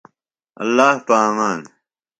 اللہ پہ امان۔